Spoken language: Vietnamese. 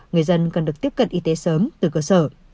người dân cần được tiếp cận y tế sớm từ cơ sở